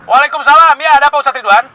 waalaikumsalam ya ada apa ustaz ridwan